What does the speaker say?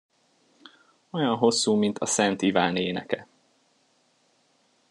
Olyan hosszú, mint a Szent Iván éneke.